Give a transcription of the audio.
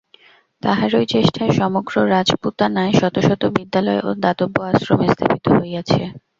তাঁহারই চেষ্টায় সমগ্র রাজপুতানায় শত শত বিদ্যালয় ও দাতব্য আশ্রম স্থাপিত হইয়াছে।